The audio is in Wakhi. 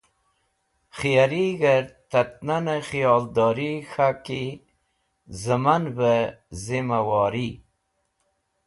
Khiyarig̃her Tat Nan e khiyoldori k̃haki Zẽmanve Zimawori